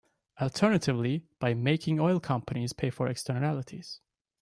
Alternatively, by making oil companies pay for externalities.